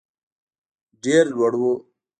ډېر لوړ وو.